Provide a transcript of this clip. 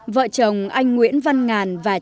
vợ chồng anh nguyễn văn ngàn và chị nguyễn văn ngàn